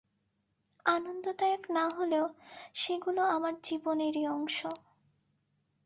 আনন্দদায়ক না হলেও, সেগুলো আমার জীবনেরই অংশ।